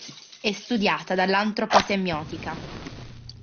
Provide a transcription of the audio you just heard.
È studiata dall'antroposemiotica.